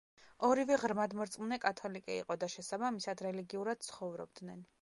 ორივე ღრმადმორწმუნე კათოლიკე იყო და შესაბამისად რელიგიურად ცხოვრობდნენ.